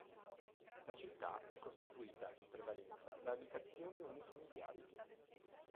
La città è costituita in prevalenza da abitazioni unifamiliari.